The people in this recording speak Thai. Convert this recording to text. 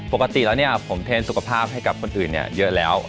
ปกติแล้วเนี่ยผมเทรนสุขภาพให้กับคนอื่นเนี่ยเยอะแล้ว